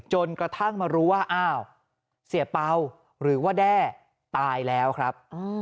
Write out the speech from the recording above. จนกระทั่งมารู้ว่าอ้าวเสียเป่าหรือว่าแด้ตายแล้วครับ